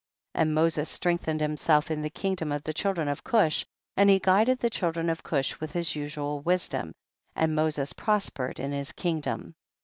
38. And Moses strengthened him self in the kingdom of the children of Cush, and he guided the children of Cush with his usual wisdom, and Moses prospered in his kingdom.